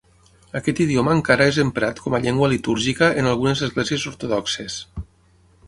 Aquest idioma encara és emprat com a llengua litúrgica en algunes esglésies ortodoxes.